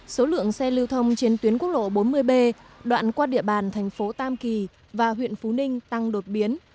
số lượng xe lưu thông trên tuyến quốc lộ bốn mươi b đoạn qua địa bàn thành phố tam kỳ và huyện phú ninh tăng đột biến